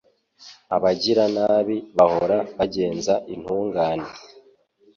Abagiranabi bahora bagenza intungane